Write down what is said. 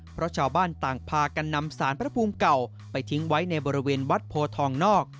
เพราะชาวบ้านต่างพากันนำสารพระภูมิเก่าไปทิ้งไว้ในบริเวณวัดโพทองนอก